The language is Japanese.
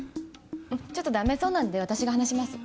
ちょっとダメそうなんで私が話します。